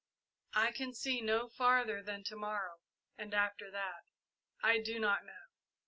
I can see no farther than to morrow, and after that I do not know.